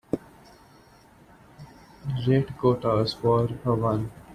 Rate Gota's War a one